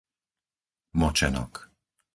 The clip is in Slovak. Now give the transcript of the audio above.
Močenok